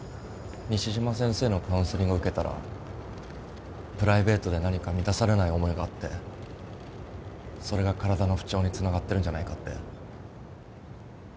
西島先生のカウンセリングを受けたらプライベートで何か満たされない思いがあってそれが体の不調につながってるんじゃないかって。